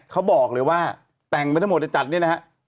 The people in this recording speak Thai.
เขาบอกเลยว่าแต่งไปทั้งหมดจะจัดเนี่ยนะฮะ